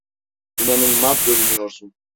İnanılmaz görünüyorsun.